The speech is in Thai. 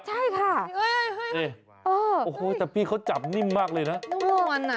โอ้โฮนี่มันโผ่หัวมาอีกแล้วใช่ค่ะโอ้โฮนี่มันโผ่หัวมาอีกแล้ว